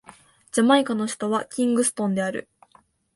ジャマイカの首都はキングストンである